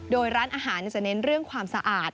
โดยร้านอาหารจะเน้นเรื่องความสะอาด